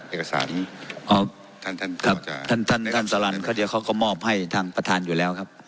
เอกสารอ๋อท่านท่านท่านท่านท่านสลันเขาเดียวเขาก็มอบให้ทางประธานอยู่แล้วครับ